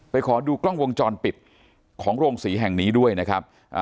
ขอดูกล้องวงจรปิดของโรงศรีแห่งนี้ด้วยนะครับ